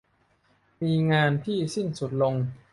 มีงานที่สิ้นสุดลง